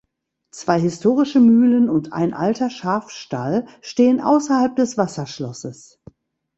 Zwei historische Mühlen und ein alter Schafstall stehen außerhalb des Wasserschlosses.